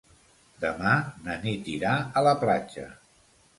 Demà na Nit irà a la platja.